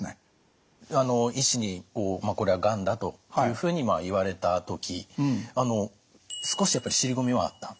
医師にこれはがんだというふうに言われた時少しやっぱり尻込みはあった？